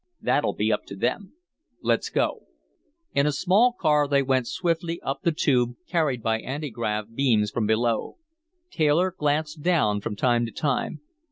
"That'll be up to them. Let's go." In a small car, they went swiftly up the Tube, carried by anti grav beams from below. Taylor glanced down from time to time.